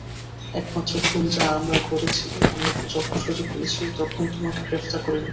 একমাত্র ভুল যা আমরা করেছি আমরা যখন সুযোগ পেয়েছি তখন তোমাকে গ্রেফতার করিনি।